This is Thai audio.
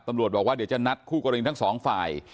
ตำรวจบอกว่าเดี๋ยวจะนัดคู่กรณีทั้งสองฝ่าย